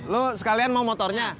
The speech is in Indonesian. lo sekalian mau motornya